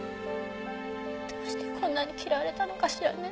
どうしてこんなに嫌われたのかしらね？